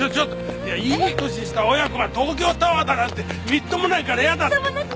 いい歳した親子が東京タワーだなんてみっともないからやだって。